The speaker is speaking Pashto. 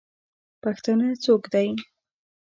پښتانه څوک دئ؟